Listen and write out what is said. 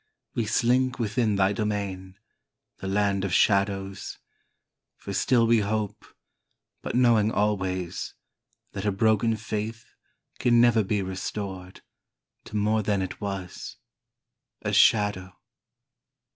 We slink within thy domain — the land of shadows. For still we hope, But knowing always, that a broken faith can never be restored To more than it was — a Shadow.